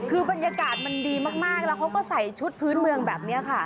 คือบรรยากาศมันดีมากแล้วเขาก็ใส่ชุดพื้นเมืองแบบนี้ค่ะ